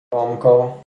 رامکا